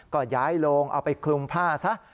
ก็ย้ายโรงเอาไปคลุมผ้าซะ